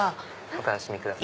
お楽しみください。